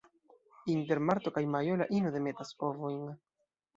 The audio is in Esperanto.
Inter marto kaj majo la ino demetas ovojn.